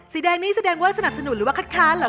สีแดงนี่แสดงว่าสนับสนุนหรือว่าคัดค้านเหรอ